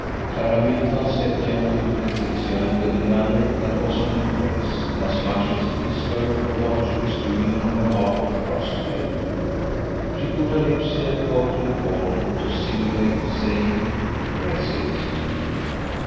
Clara Middleton stepped gently to Laetitia, and with a manner that was an embrace, as much as kissed her for what she was doing on behalf of Crossjay. She put her lips in a pouting form to simulate saying: "Press it."